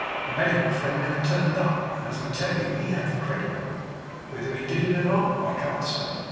The medical friend never turned up; and, as I tell you, he had the credit of it. Whether he did it or not I can't say.